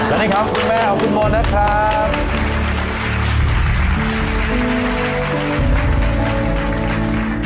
แล้วนี่ครับคุณแม่ของคุณมนตร์นะครับ